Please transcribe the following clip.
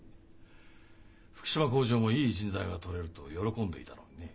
福島工場もいい人材がとれると喜んでいたのにね。